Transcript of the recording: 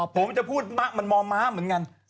ผมจะพูดมะมันมอม้าเหมือนกัน